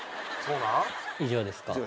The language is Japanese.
以上です。